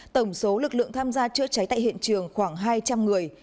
tổng số lực lượng tham gia chữa cháy tại hiện trường khoảng hai trăm linh người